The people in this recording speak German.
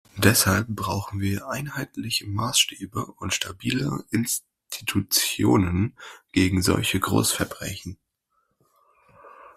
Deshalb brauchen wir einheitliche Maßstäbe und stabile Institutionen gegen solche Großverbrechen.